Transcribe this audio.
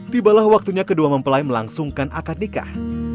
tibalah waktunya kedua mempelai melangsungkan akad nikah